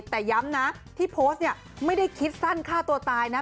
แต่ย้ำนะที่โพสต์เนี่ยไม่ได้คิดสั้นฆ่าตัวตายนะ